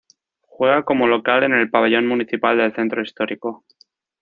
Juega como local en el pabellón municipal del Centro Histórico.